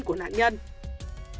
của người thân nạn nhân